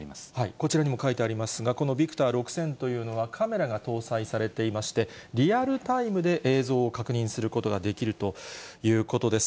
こちらにも書いてありますが、このビクター６０００というのは、カメラが搭載されていまして、リアルタイムで映像を確認することができるということです。